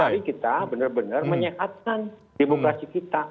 mari kita benar benar menyehatkan demokrasi kita